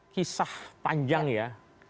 kisah panjang ya